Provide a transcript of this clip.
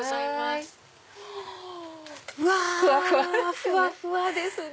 ふわふわですよね。